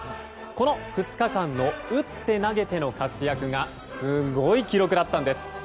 この２日間の打って投げての活躍がすごい記録だったんです。